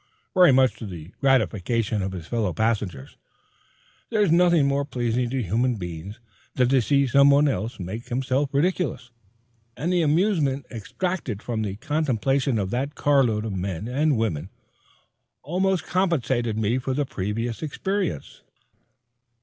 very much to the gratification of his fellow passengers. There is nothing more pleasing to human beings than to see somebody else make himself ridiculous, and the amusement extracted from the contemplation of that car load of men and women almost compensated me for the previous experience.